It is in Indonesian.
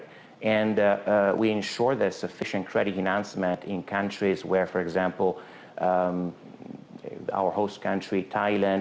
kami memastikan peningkatan kredit yang cukup di negara negara misalnya negara utama kami thailand